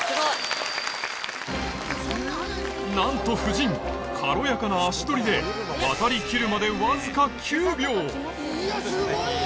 なんと夫人軽やかな足取りで渡り切るまでいやすごい！